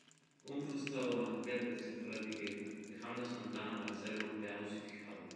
Un frustrado Martel rechazó la etiqueta, dejando a Santana para ser golpeados y fijado.